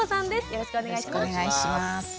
よろしくお願いします。